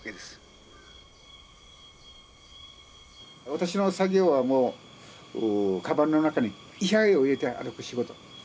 私の作業はかばんの中に位牌を入れて歩く仕事。